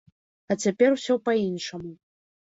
А цяпер усё па-іншаму.